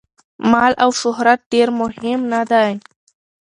مال او شهرت ډېر مهم نه دي.